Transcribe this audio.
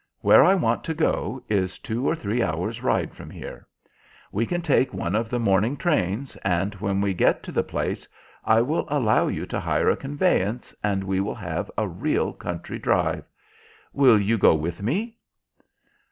Where I want to go is two or three hours' ride from here. We can take one of the morning trains, and when we get to the place I will allow you to hire a conveyance, and we will have a real country drive. Will you go with me?"